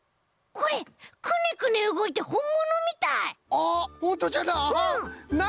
あっほんとじゃな！